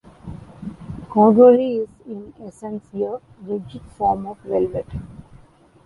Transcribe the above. Corduroy is, in essence, a ridged form of velvet.